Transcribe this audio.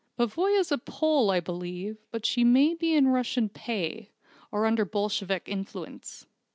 Pavoya's a Pole, I believe, but she may be in Russian pay, or under Bolshevik influence.